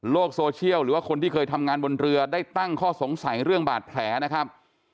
โซเชียลหรือว่าคนที่เคยทำงานบนเรือได้ตั้งข้อสงสัยเรื่องบาดแผลนะครับ